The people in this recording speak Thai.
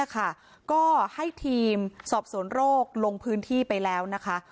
ก็ให้ทีมสอบสวนโรคลงพื้นที่ไปแล้วนะคะ